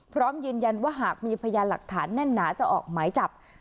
พร้อมยืนยันว่าหากมีพยานหลักฐานแน่นหนาจะออกหมายจับ